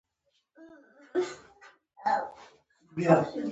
دا هغه ځای دی چې نبي علیه السلام دلته امامت وکړ.